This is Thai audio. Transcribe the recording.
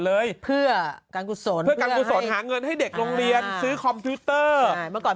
เลยเพื่อการกุศลเงินให้เด็กลงเรียนซื้อคอมพิวเตอร์แล้วก่อน